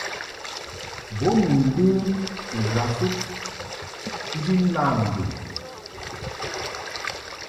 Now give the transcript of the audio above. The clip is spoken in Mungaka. Bo ni ndəm ŋgwafɨd nji lam ŋgɨŋ.